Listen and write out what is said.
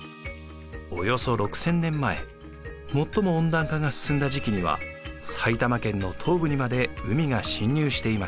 およそ６，０００年前最も温暖化が進んだ時期には埼玉県の東部にまで海が侵入していました。